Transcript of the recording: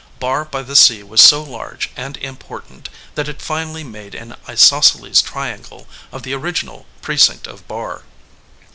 Barr by the Sea was so large and important that it finally made an isos celes triangle of the original Precinct of Barr.